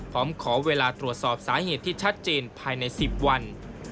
ขอเวลาตรวจสอบสาเหตุที่ชัดเจนภายใน๑๐วัน